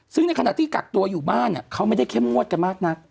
ซึ่งในขณะที่กักตัวอยู่บ้านเขาไม่ได้เข้มงวดกันมากนัก